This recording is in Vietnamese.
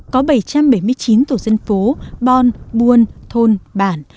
có bảy trăm bảy mươi chín tổ dân phố bon buôn thôn bản